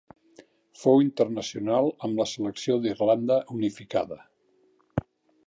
Fou internacional amb la selecció d'Irlanda unificada.